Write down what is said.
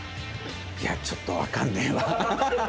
いやちょっと分かんねえわ。